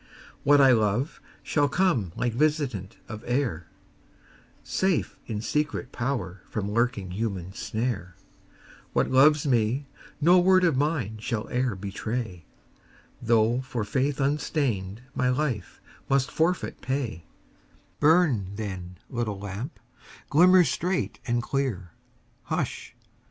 What I love shall come like visitant of air, Safe in secret power from lurking human snare; What loves me, no word of mine shall e'er betray, Though for faith unstained my life must forfeit pay Burn, then, little lamp; glimmer straight and clear Hush!